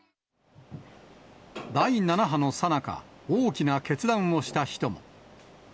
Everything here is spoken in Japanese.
第７波のさなか、大きな決断をした人も。